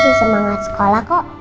masih semangat sekolah kok